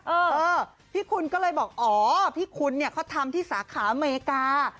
เออพี่คุณก็เลยบอกอ๋อพี่คุณเนี่ยเขาทำที่สาขาอเมริกา